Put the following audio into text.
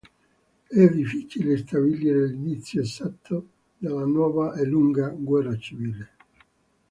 È difficile stabilire l'inizio esatto della nuova e lunga guerra civile.